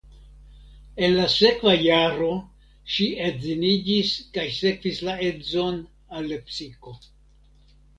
En la sekva jaro ŝi edziniĝis kaj sekvis la edzon al Lepsiko.